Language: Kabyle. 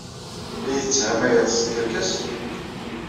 La iyi-tetthamayeḍ s tkerkas?